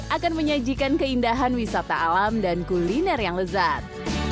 akan menyajikan keindahan wisata alam dan kuliner yang lezat